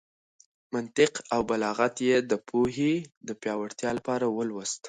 منطق او بلاغت يې د پوهې د پياوړتيا لپاره ولوستل.